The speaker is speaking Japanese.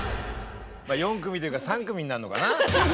４組というか３組になんのかな。